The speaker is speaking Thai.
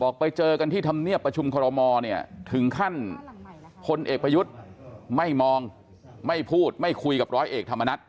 ไปเจอกันที่ธรรมเนียบประชุมคอรมอเนี่ยถึงขั้นพลเอกประยุทธ์ไม่มองไม่พูดไม่คุยกับร้อยเอกธรรมนัฐ